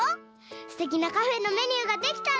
すてきなカフェのメニューができたら。